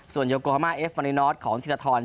ส่วนโยโกฮามาเอฟฟอรินอทของธิรทร